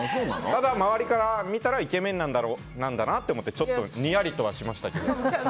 ただ周りから見たらイケメンなんだろうなとちょっとにやりとはしましたけど。